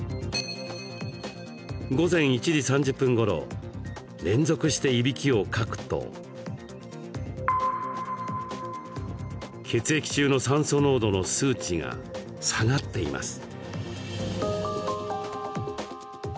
午前１時３０分ごろ連続して、いびきをかくと血液中の酸素濃度の数値が下がっています。